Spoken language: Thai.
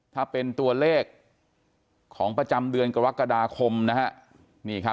ถ้าเป็นตัวเลขของประจำเดือนกรกฎาคมนะฮะ